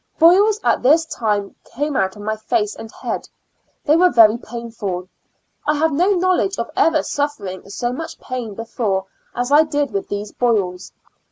Boils at this time came out on my face and head ; they were very painful ; I have no knowledge of ever suffering so much pain before as I did with these boils.